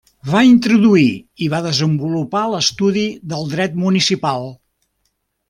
Va introduir i va desenvolupar l'estudi del dret municipal.